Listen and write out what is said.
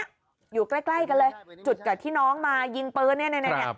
อยู่ใกล้กันเลยจุดกับที่น้องมายิงปืนเนี่ย